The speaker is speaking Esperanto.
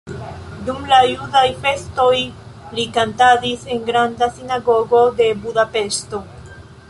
Dum la judaj festoj li kantadis en Granda Sinagogo de Budapeŝto.